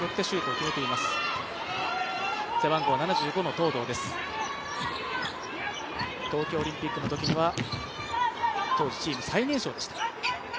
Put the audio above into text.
東藤、東京オリンピックのときには当時、チーム最年少でした。